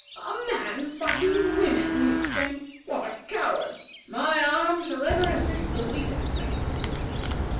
"A man fighting women!" he exclaimed. "What a coward! My arm shall ever assist the weaker sex."